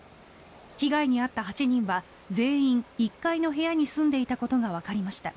被害に遭った８人は全員、１階の部屋に住んでいたことがわかりました。